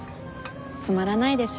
つまらないでしょ？